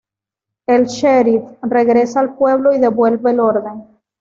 El Sheriff regresa al pueblo y devuelve el orden.